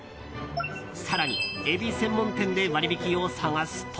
更にエビ専門店で割引を探すと。